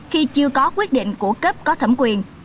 khi chưa có quyết định của cấp có thẩm quyền